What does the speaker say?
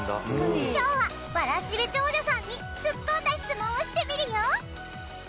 今日はわらしべ長者さんに突っ込んだ質問をしてみるよ。